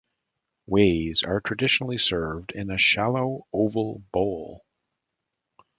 "Ways" are traditionally served in a shallow oval bowl.